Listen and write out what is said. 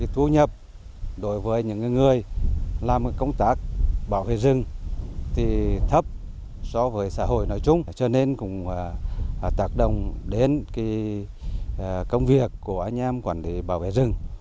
thu nhập đối với những người làm công tác bảo vệ rừng thì thấp so với xã hội nói chung cho nên cũng tác động đến công việc của anh em quản lý bảo vệ rừng